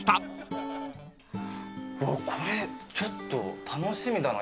これちょっと楽しみだな。